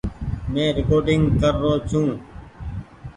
مين ريڪوڊ ڪر رو ڇون۔